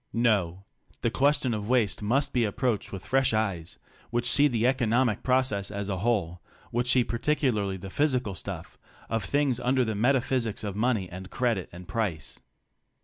No. The question of waste must be approached with fresh eyes which see the economic process as a whole, which see particularly the physical stuff of things under the meta physics of money and credit and price.